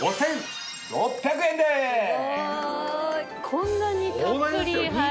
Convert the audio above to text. こんなにたっぷり入って。